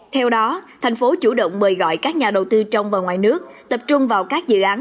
theo đó thành phố chủ động mời gọi các nhà đầu tư trong và ngoài nước tập trung vào các dự án